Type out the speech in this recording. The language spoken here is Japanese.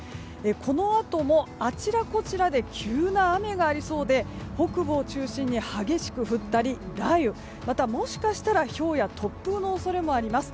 このあともあちらこちらで急な雨がありそうで北部を中心に激しく降ったり雷雨、またもしかしたらひょうや突風の恐れがあります。